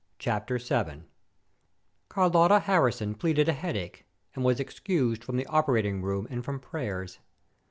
CHAPTER VII Carlotta Harrison pleaded a headache, and was excused from the operating room and from prayers.